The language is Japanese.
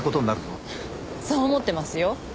そう思ってますよ。